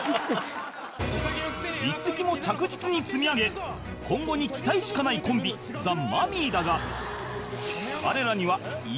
実績も着実に積み上げ今後に期待しかないコンビザ・マミィだが